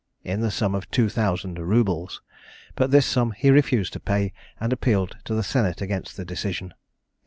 in the sum of two thousand roubles; but this sum he refused to pay, and appealed to the senate against the decision.